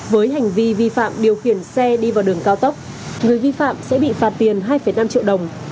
với hành vi vi phạm điều khiển xe đi vào đường cao tốc người vi phạm sẽ bị phạt tiền hai năm triệu đồng